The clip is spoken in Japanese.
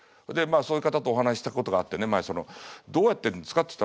でまあそういう方とお話ししたことがあってね前その「どうやってるんですか？」